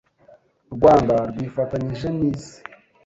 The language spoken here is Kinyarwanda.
Rwanda rwifatanyije n’isi